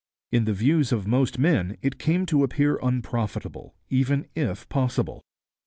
In the views of most men it came to appear unprofitable, even if possible.